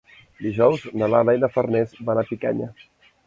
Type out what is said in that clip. Dijous na Lara i na Farners van a Picanya.